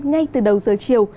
ngay từ đầu giờ chiều